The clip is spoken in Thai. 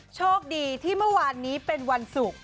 โชคดีที่เมื่อวานนี้เป็นวันศุกร์